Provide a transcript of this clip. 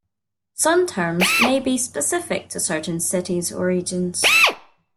Some terms may be specific to certain cities or regions.